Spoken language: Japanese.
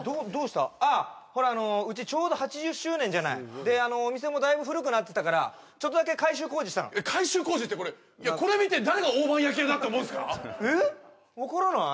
あっほらあのうちちょうど８０周年じゃない？でお店もだいぶ古くなってたからちょっとだけ改修工事したの改修工事ってこれこれ見て誰が大判焼き屋だって思うんですかえっ分からない？